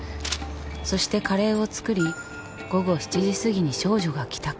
そしてカレーを作り午後７時過ぎに少女が帰宅。